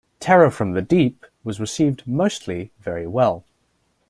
"Terror from the Deep" was received mostly very well.